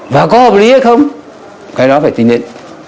và có hợp lý hay không cái đó phải tính đến